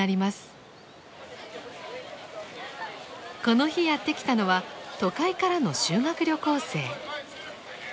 この日やって来たのは都会からの修学旅行生。